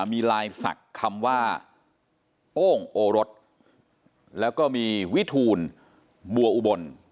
มีลายศักดิ์คำว่าโอ้งโอรสแล้วก็มีวิทูลบัวอุบล